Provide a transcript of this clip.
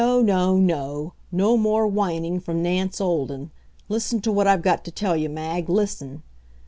No more whining from Nance Olden. Listen to what I've got to tell you, Mag, listen!